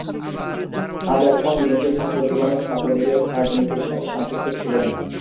আগা খান মিন্টু ছাত্রজীবনে ছাত্রলীগের রাজনীতির সাথে সম্পৃক্ত ছিলেন।